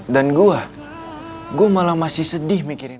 dan gue gue malah masih sedih mikirin